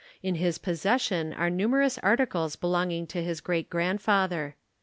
In his possession are numerous articles belonging to his great grandfather.